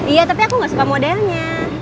iya tapi aku gak suka modelnya